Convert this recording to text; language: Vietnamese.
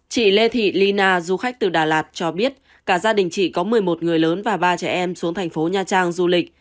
chị lê thị ly na du khách từ đà lạt cho biết cả gia đình chị có một mươi một người lớn và ba trẻ em xuống thành phố nha trang du lịch